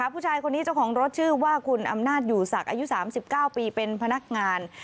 ปีเป็นพนักงาน